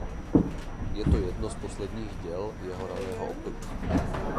Je to jedno z posledních děl jeho raného období.